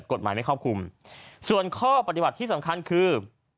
กฎหมายไม่ครอบคลุมส่วนข้อปฏิบัติที่สำคัญคือ